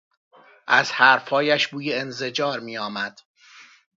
از حرف هایش بوی انزجار میآمد.